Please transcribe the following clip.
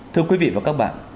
thưa quý vị và các bạn